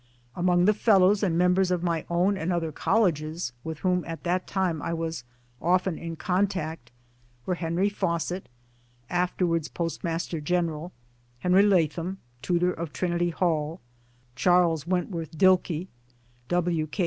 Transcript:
Among the Fellows and members of my own and other colleges with whom at that time I was often in contact were Henry Fawcett (afterwards Post master General), Henry Latham (Tutor of Trinity Hall), Charles Wentworth Dilke, iWi. K.